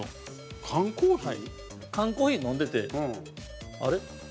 水田：缶コーヒー飲んでてあれ？